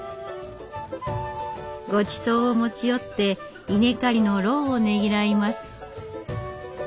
ごちそうを持ち寄って稲刈りの労をねぎらいます。